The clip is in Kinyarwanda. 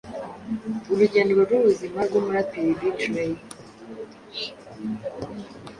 Urugendo rw’ubuzima bw’umuraperi B-Threy